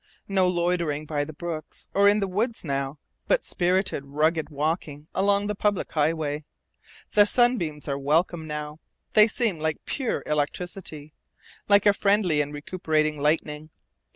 No loitering by the brooks or in the woods now, but spirited, rugged walking along the public highway. The sunbeams are welcome now. They seem like pure electricity, like a friendly and recuperating lightning.